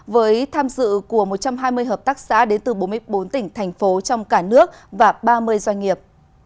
với tham dự của một trăm hai mươi hợp tác xã đến từ bốn mươi bốn tỉnh thành phố trong cả nước và ba mươi doanh nghiệp